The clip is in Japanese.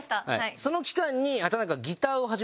その期間に。